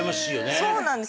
そうなんです